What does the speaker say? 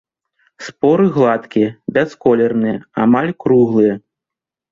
Споры гладкія, бясколерныя, амаль круглыя.